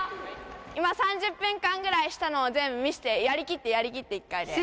今、３０分間ぐらいしたのを全部見せて、やりきって、やりきって、１回で。